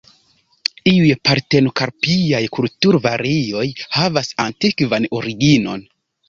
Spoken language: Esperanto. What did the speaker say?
Iuj partenokarpiaj kulturvarioj havas antikvan originon.